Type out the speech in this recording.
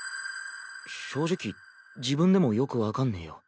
正直自分でもよく分かんねぇよ。